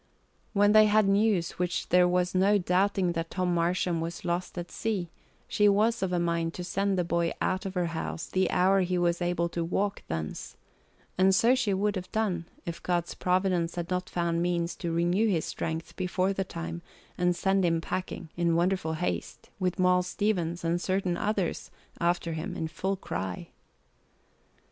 When they had news which there was no doubting that Tom Marsham was lost at sea, she was of a mind to send the boy out of her house the hour he was able to walk thence; and so she would have done, if God's providence had not found means to renew his strength before the time and send him packing in wonderful haste, with Moll Stevens and certain others after him in full cry.